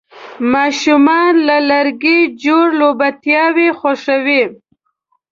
ماشومان له لرګي جوړ لوبتیاوې خوښوي.